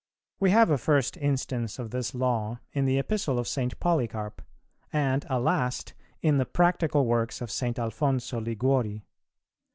We have a first instance of this law in the Epistle of St. Polycarp, and a last in the practical works of St. Alphonso Liguori.